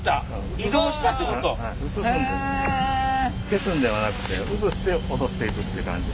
消すんではなくて移して落としていくっていう感じ。